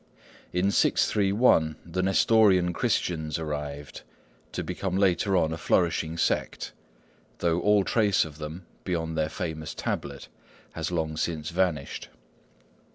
In 631 the Nestorian Christians arrived, to become later on a flourishing sect, though all trace of them, beyond their famous Tablet, has long since vanished.